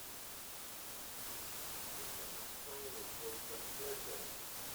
I can explain if you'll just listen.